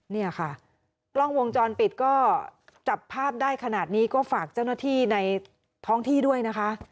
เนี่ยค่ะกล้องวงจรปิดก็จับภาพได้ขนาดนี้ก็ฝากเจ้าหน้าที่ในท้องที่ด้วยนะคะ